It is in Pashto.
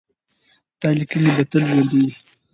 دا لیکنې به تل ژوندۍ وي.